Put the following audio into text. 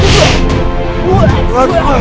tidak penting tuhan